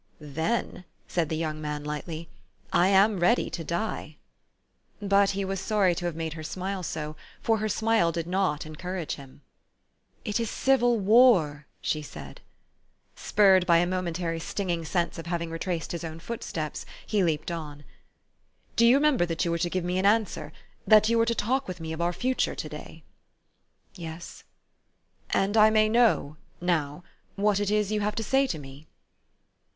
"Then," said the young man lightly, "I am ready to die." But he was sorry to have made her smile so ; for her smile did not encourage him. " It is civil war," she said. Spurred by a momentary stinging sense of having retraced his own footsteps, he leaped on, " Do you remember that you were to give me an answer, that you were to talk with me of our future, to day? " THE STORY OF AVIS. 193 "Yes." u And I may know now what it is you have to say to me?